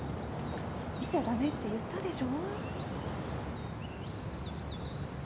見ちゃダメって言ったでしょ。